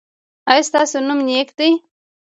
ایا ستاسو نوم نیک دی؟